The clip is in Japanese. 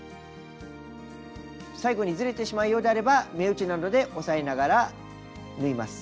最後にずれてしまうようであれば目打ちなどで押さえながら縫います。